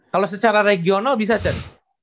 kalau secara regional bisa cen